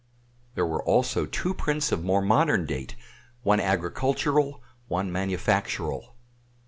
There were also two prints of more modern date, one agricultural, one manufactural.